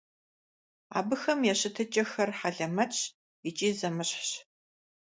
Абыхэм я щытыкӀэхэр хьэлэмэтщ икӀи зэмыщхьщ.